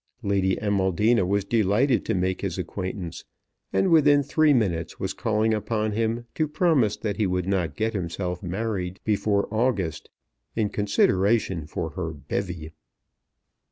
Lady Amaldina was delighted to make his acquaintance, and within three minutes was calling upon him to promise that he would not get himself married before August in consideration for her bevy.